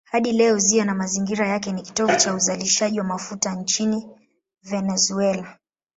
Hadi leo ziwa na mazingira yake ni kitovu cha uzalishaji wa mafuta nchini Venezuela.